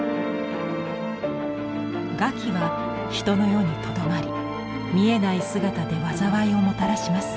餓鬼は人の世にとどまり見えない姿で災いをもたらします。